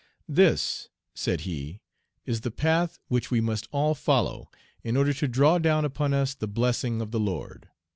"This," said he, "is the path which we must all follow in order to draw down upon us the blessing of the Lord.